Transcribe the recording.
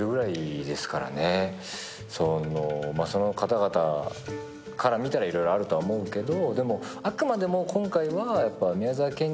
その方々から見たらいろいろあると思うけど。